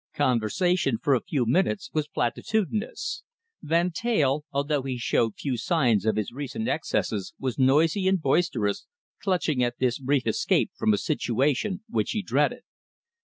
Conversation for a few minutes was platitudinous. Van Teyl, although he showed few signs of his recent excesses, was noisy and boisterous, clutching at this brief escape from a situation which he dreaded.